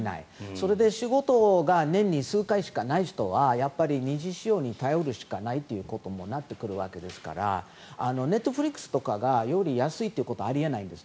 それで仕事が年に数回しかない人は二次使用に頼るしかないということにもなってくるわけですからネットフリックスとかがより安いということはあり得ないんです。